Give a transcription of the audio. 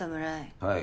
はい。